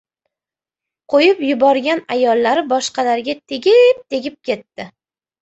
Qo‘yib yuborgan ayollari boshqalarga tegib-tegib ketdi.